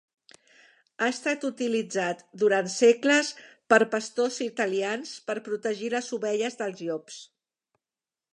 Ha estat utilitzat durant segles per pastors italians per protegir les ovelles dels llops.